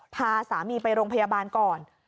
พาสามีไปโรงพยาบาลก่อน